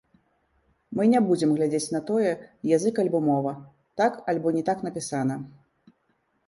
Мы не будзем глядзець на тое, язык альбо мова, так альбо не так напісана.